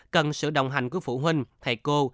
cần sự đồng hành của phụ huynh thầy cô